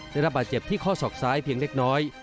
ได้รับบาดเจ็บที่ข้อศอกซ้ายเพียงเล็กน้อย